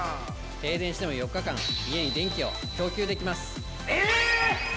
停電しても４日間家に電気を供給できます！